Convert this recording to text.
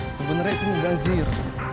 sebenernya itu gak zir